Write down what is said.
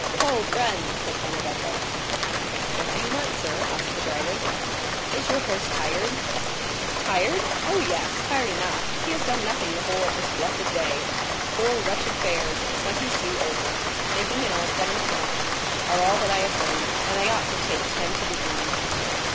"Ho, friend!" said Benedetto. "What do you want, sir?" asked the driver. "Is your horse tired?" "Tired? oh, yes, tired enough—he has done nothing the whole of this blessed day! Four wretched fares, and twenty sous over, making in all seven francs, are all that I have earned, and I ought to take ten to the owner."